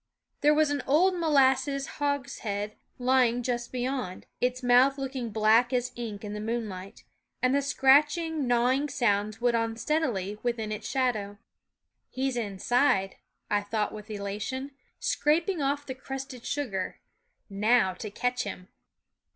There was an old molasses hogshead lying just beyond, its mouth looking black as ink in the moonlight, and the scratching gnawing sounds went on steadily within its shadow. " He 's inside," I thought with elation, "scrap ing off the crusted sugar. Now to catch him